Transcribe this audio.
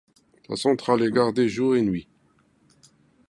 La centrale est gardée jour et nuit.